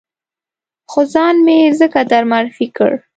خو ځان مې ځکه در معرفي کړ.